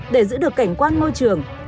để giữ được cảnh quan môi trường